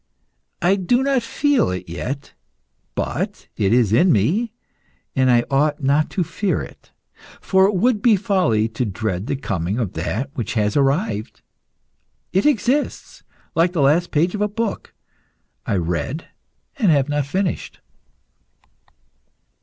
I do not feel it yet, but it is in me, and I ought not to fear it, for it would be folly to dread the coming of that which has arrived. It exists, like the last page of a book I read and have not finished."